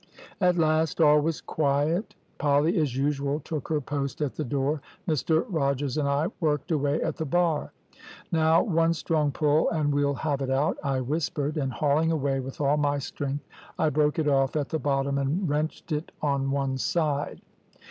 At last all was quiet; Polly, as usual, took her post at the door. Mr Rogers and I worked away at the bar: `Now one strong pull and we'll have it out,' I whispered; and hauling away with all my strength, I broke it off at the bottom and wrenched it on one side.